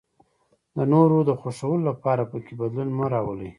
د نورو د خوښولو لپاره پکې بدلون مه راولئ.